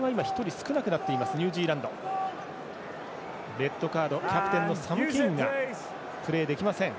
レッドカード、キャプテンのサム・ケインがプレーできません。